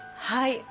はい。